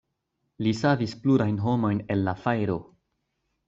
Li savis plurajn homojn el la fajro.